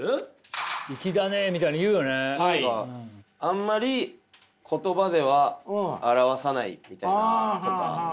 あんまり言葉では表さないみたいなとか。